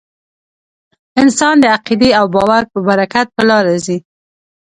انسان د عقیدې او باور په برکت په لاره ځي.